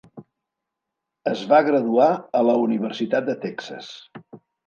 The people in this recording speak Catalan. Es va graduar a la Universitat de Texas.